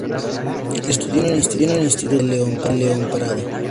Estudió en el Instituto Miguel León Prado.